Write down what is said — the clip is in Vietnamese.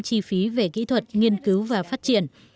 chi phí về kỹ thuật nghiên cứu và phát triển